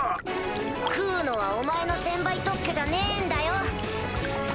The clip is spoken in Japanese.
食うのはお前の専売特許じゃねえんだよ！